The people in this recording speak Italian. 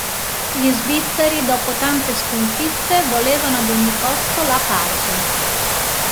Gli Svizzeri, dopo tante sconfitte, volevano ad ogni costo la pace.